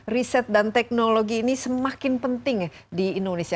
riset dan teknologi ini semakin penting di indonesia